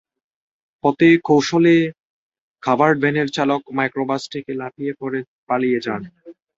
পথে কৌশলে কাভার্ড ভ্যানের চালক মাইক্রোবাস থেকে লাফিয়ে পড়ে পালিয়ে যান।